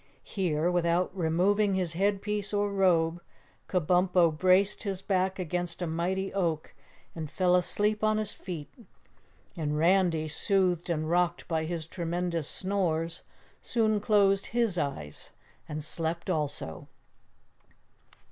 Here, without removing his head piece or robe, Kabumpo braced his back against a mighty oak and fell asleep on his feet, and Randy, soothed and rocked by his tremendous snores, soon closed his eyes and slept also.